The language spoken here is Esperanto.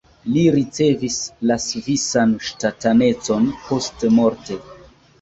Li ricevis la svisan ŝtatanecon postmorte.